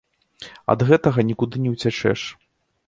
Ад гэтага нікуды не уцячэш.